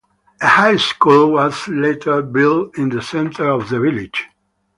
A high school was later built in the center of the village.